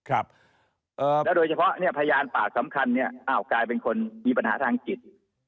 แล้วโดยเฉพาะเนี่ยพยานปากสำคัญเนี่ยอ้าวกลายเป็นคนมีปัญหาทางจิต